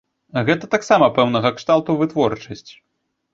Гэта таксама пэўнага кшталту вытворчасць.